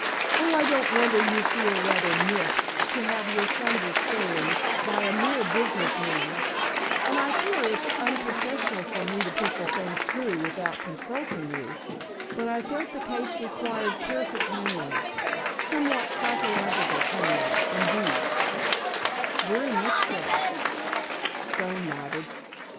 "Oh, I don't wonder you feel rather miffed to have your thunder stolen by a mere business man—and I fear it's unprofessional for me to put the thing through without consulting you, but I felt the case required careful handling—somewhat psychological handling, indeed——" "Very much so," Stone nodded.